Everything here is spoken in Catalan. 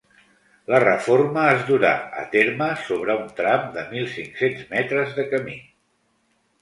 La reforma es durà a terme sobre un tram de mil cinc-cents metres de camí.